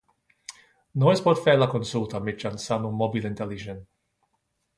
No es pot fer la consulta mitjançant un mòbil intel·ligent.